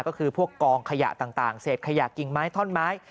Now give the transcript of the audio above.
ก็คือพวกกองขยะต่างเศษขยะกิ่งไม้ท่อนไม้